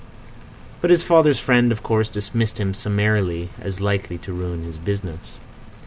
But his father's friend, of course, dismissed him summarily as likely to ruin his business.